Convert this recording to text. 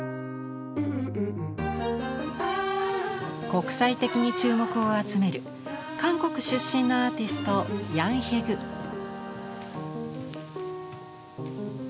国際的に注目を集める韓国出身のアーティストヤン・ヘギュ。